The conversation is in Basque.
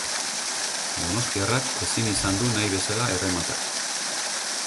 Donostiarrak ezin izan du nahi bezala errematatu.